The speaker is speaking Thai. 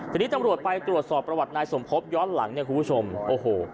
ทีนี้ตำรวจไปตรวจสอบประวัตินายสมพบย้อนหลังเนี่ยคุณผู้ชมโอ้โห